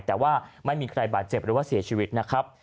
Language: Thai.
แต่ว่าไม่มีใครบาดเจ็บหรือว่าเสียชีวิตนะครับ